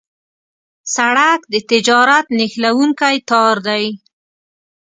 سړک د تجارت نښلونکی تار دی.